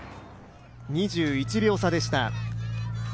２１秒差でした。